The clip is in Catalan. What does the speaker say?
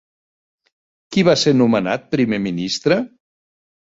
Qui va ser nomenat primer ministre?